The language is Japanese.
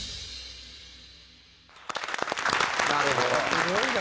すごいな。